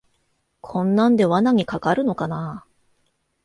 こんなんで罠にかかるのかなあ